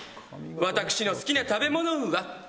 私の好きな食べ物は。